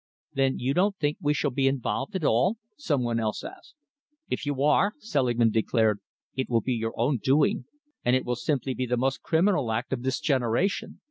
"Then you don't think we shall be involved at all?" some one else asked. "If you are," Selingman declared, "it will be your own doing, and it will simply be the most criminal act of this generation.